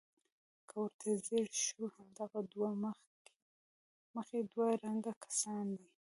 که ورته ځیر شو همدغه دوه مخي دوه رنګه کسان دي.